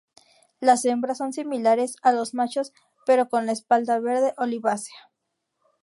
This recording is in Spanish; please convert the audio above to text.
Las hembras son similares a los machos pero con la espalda verde olivácea.